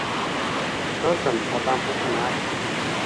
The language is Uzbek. Ko’r odam o’tinar